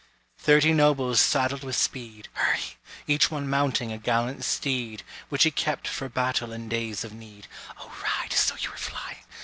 Thirty nobles saddled with speed; (Hurry!) Each one mounting a gallant steed Which he kept for battle and days of need; (O, ride as though you were flying!)